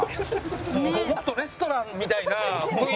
もっとレストランみたいな雰囲気だよね。